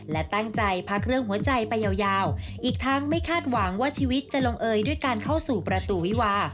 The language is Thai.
และตั้งใจพักเรื่องหัวใจไปยาวอีกทั้งไม่คาดหวังว่าชีวิตจะลงเอยด้วยการเข้าสู่ประตูวิวา